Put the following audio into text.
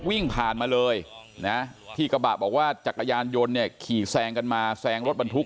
วิ่งผ่านมาเลยนะที่กระบะบอกว่าจักรยานยนต์เนี่ยขี่แซงกันมาแซงรถบรรทุก